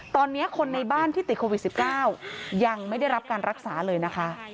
ตอนนี้คนในบ้านที่ติดโควิด๑๙ยังไม่ได้รับการรักษาเลยนะคะ